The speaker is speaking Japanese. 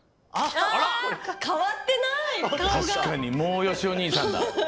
たしかにもうよしお兄さんだ。